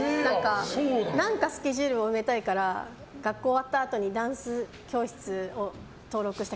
何かスケジュールを埋めたいから学校終わったあとにダンス教室を登録して